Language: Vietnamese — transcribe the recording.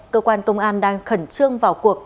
cơ quan công an đang khẩn trương vào cuộc